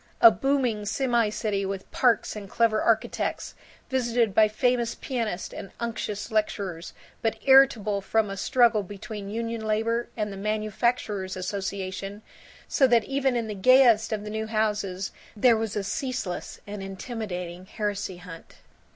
A booming semi city with parks and clever architects, visited by famous pianists and unctuous lecturers, but irritable from a struggle between union labor and the manufacturers' association, so that in even the gayest of the new houses there was a ceaseless and intimidating heresy hunt.